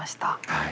はい。